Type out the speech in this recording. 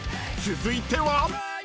［続いては］